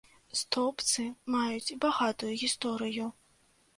Стоўбцы маюць багатую гісторыю.